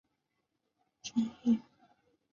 应急管理学院现有公共事业管理三个本科专业。